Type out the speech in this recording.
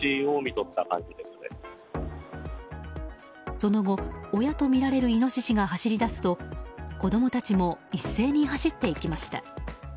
その後、親とみられるイノシシが走り出すと子供たちも一斉に走っていきました。